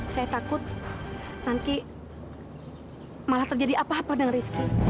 saya takut nanti malah terjadi apa apa dengan rizky